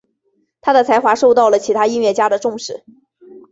他的才华受到其他音乐家的重视。